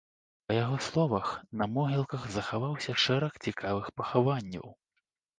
Па яго словах, на могілках захаваўся шэраг цікавых пахаванняў.